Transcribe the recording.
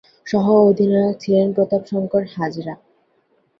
সহঃ অধিনায়ক ছিলেন প্রতাপ শঙ্কর হাজরা।